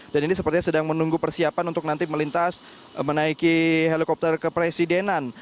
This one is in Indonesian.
dan ini sepertinya sedang menunggu persiapan untuk nanti melintas menaiki helikopter ke presidenan